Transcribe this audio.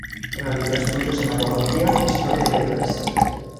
Realizó estudios en abogacía, historia y letras.